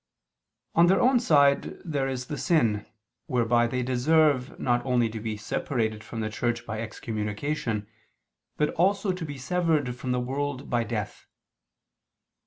On their own side there is the sin, whereby they deserve not only to be separated from the Church by excommunication, but also to be severed from the world by death.